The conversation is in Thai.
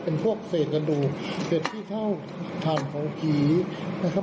เป็นพวกเศษกระดูกเศษที่เท่าฐานของผีนะครับ